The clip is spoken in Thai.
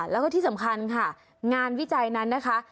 แล้วก็ที่สำคัญค่ะงานวิจัยนั้นนะคะ